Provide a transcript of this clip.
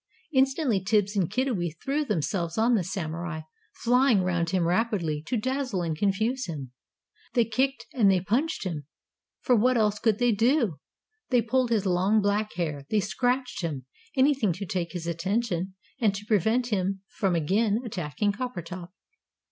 Instantly Tibbs and Kiddiwee threw themselves on the Samurai, flying round him rapidly, to dazzle and confuse him. They kicked and they punched him for what else could they do? They pulled his long, black hair. They scratched him. Anything to take his attention, and to prevent him from again attacking Coppertop.